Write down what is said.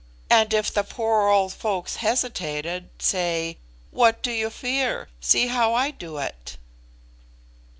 And if the poor old folks hesitated say, 'What do you fear? see how I do it!